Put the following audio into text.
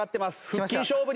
腹筋勝負。